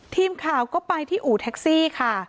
ทีมข่าวก็ไปที่อู่แท็กซี่ค่ะ